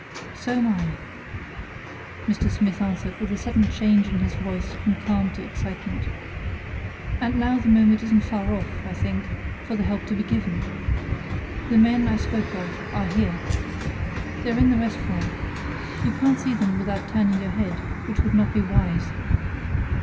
"So am I," Mr. Smith answered with a sudden change in his voice from calm to excitement. "And now the moment isn't far off, I think, for the help to be given. The men I spoke of are here. They're in the restaurant. You can't see them without turning your head, which would not be wise.